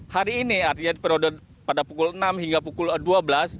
hari ini artinya pada pukul enam hingga pukul dua belas